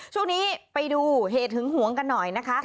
ช่วงนี้ไปดูเหตุหึงหวงกันหน่อยนะคะ